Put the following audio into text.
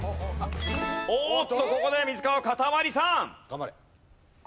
おーっとここで水川かたまりさん！